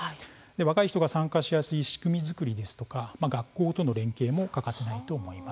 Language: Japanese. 若い人が参加しやすい仕組み作りですとか学校との連携も欠かせないと思います。